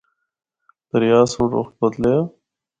دریا سنڑ رُخ بدلیا۔